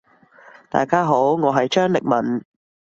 大家好，我係張力文。